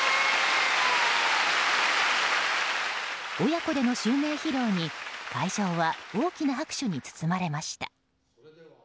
親子での襲名披露に会場は大きな拍手に包まれました。